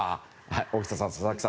大下さん、佐々木さん